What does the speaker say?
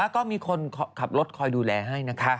ก็มีคนขับรถคอยดูแลให้นะคะ